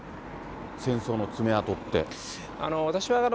戦争の爪痕って。